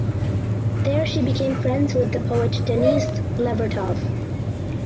There she became friends with the poet Denise Levertov.